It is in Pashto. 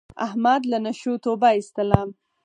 احمد له نشو توبه ایستله.